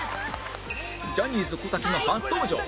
ジャニーズ小瀧が初登場